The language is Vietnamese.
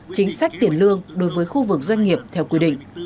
chính sách tiền lương đối với khu vực doanh nghiệp theo quy định